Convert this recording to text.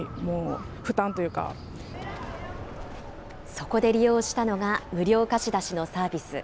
そこで利用したのが、無料貸し出しのサービス。